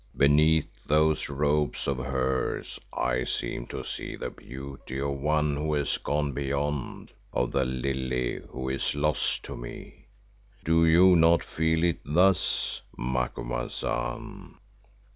Beneath those robes of hers I seem to see the beauty of one who has 'gone Beyond,' of the Lily who is lost to me. Do you not feel it thus, Macumazahn?"